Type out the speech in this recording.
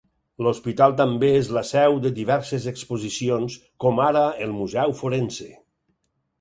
L'hospital també és la seu de diverses exposicions, com ara el museu forense.